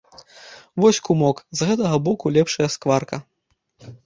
Вось, кумок, з гэтага боку лепшая скварка!